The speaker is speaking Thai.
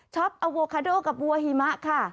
ช็อปเอาโวคาโด้กับบัวหิมะค่ะ